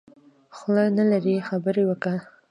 خوله نلرې خبره وکه.